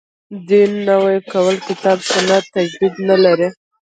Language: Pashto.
دین نوی کول کتاب سنت تجدید نه لري.